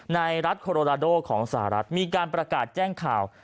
ในรัฐโคโรนาโดของสหรัฐมีการประกาศแจ้งข่าว